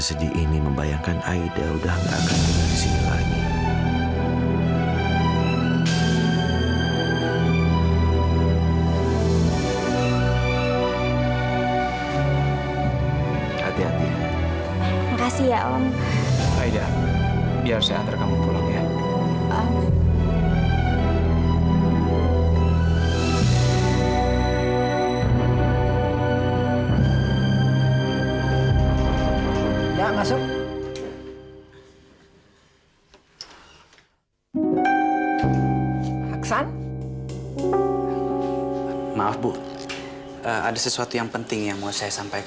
udah kita bakal mampus